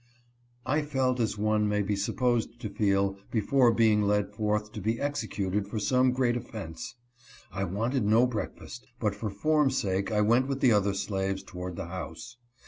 I felt as one may be supposed to feel before being led forth to be executed for some great offense. I wanted no breakfast, but for form's sake I went with the other slaves toward the house.